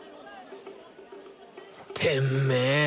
てめえ！